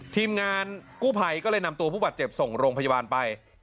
ทีมงานกู้ภัยก็เลยนำตัวผู้บาดเจ็บส่งโรงพยาบาลไป